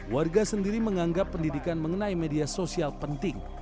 warga sendiri menganggap pendidikan mengenai media sosial penting